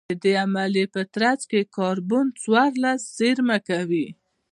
د دې عملیې په ترڅ کې کاربن څوارلس زېرمه کوي